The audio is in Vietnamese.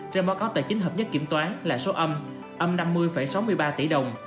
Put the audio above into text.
ra mắt có tài chính hợp nhất kiểm toán là số âm âm năm mươi sáu mươi ba tỷ đồng